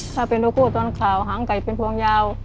ถ้าเป็นโลโก้ตอนข่าวหางไก่เป็นพวงยาว